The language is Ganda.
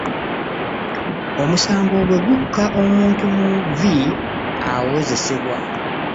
Omusango bwe gukka omuntu mu vvi awozesebwa.